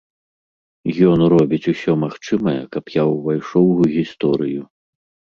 Ён робіць усё магчымае, каб я ўвайшоў у гісторыю.